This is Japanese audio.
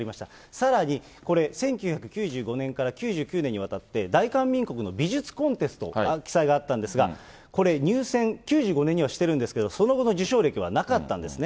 さらにこれ、１９９５年から９９年にわたって、大韓民国の美術コンテストと記載があったんですが、これ、入選、９５年にはしてるんですけど、その後の受賞歴はなかったんですね。